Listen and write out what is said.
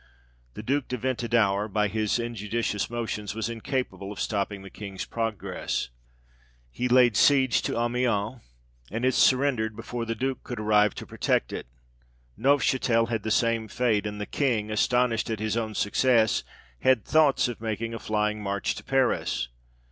The Duke de Ventadour, by his injudicious motions, was incapable of stopping the King's progress ; he laid siege to Amiens, and it surrendered before the Duke could arrive to protect it. Neufchatel had the same fate ; and the King, astonished at his own success, had thoughts of making a flying march to Paris.